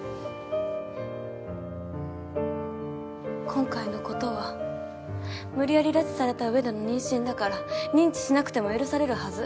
今回のことは無理やり拉致された上での妊娠だから認知しなくても許されるはず。